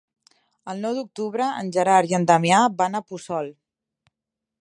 El nou d'octubre en Gerard i en Damià van a Puçol.